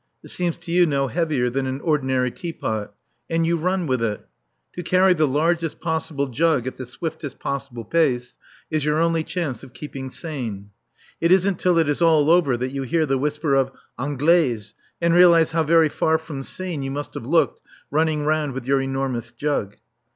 It seems to you no heavier than an ordinary teapot. And you run with it. To carry the largest possible jug at the swiftest possible pace is your only chance of keeping sane. (It isn't till it is all over that you hear the whisper of "Anglaise!" and realize how very far from sane you must have looked running round with your enormous jug.)